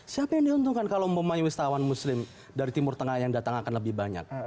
siapa yang diuntungkan kalau pemain wisatawan muslim dari timur tengah yang datang akan lebih banyak